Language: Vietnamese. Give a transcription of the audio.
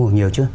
đồ cổ nhiều chưa